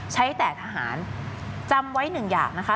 ใช้แต่ทหารจำไว้หนึ่งอย่างนะคะ